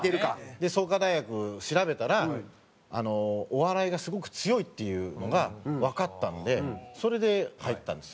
で創価大学調べたらお笑いがすごく強いっていうのがわかったのでそれで入ったんです。